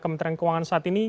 kementerian keuangan saat ini